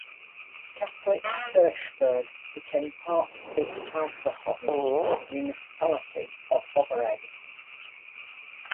Catholic Hirschberg became part of the Ausserrhoden municipality of Oberegg.